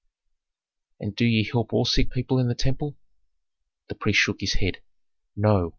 "And do ye help all sick people in the temple?" The priest shook his head. "No.